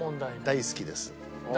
大好きです。